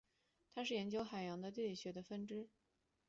它是研究海洋的地理学的分支。